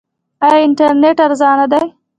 آیا انټرنیټ ارزانه دی؟